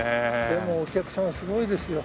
でもお客さんすごいですよ。